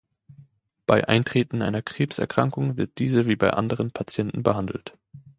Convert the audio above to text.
Bei Eintreten einer Krebserkrankung wird diese wie bei anderen Patienten behandelt.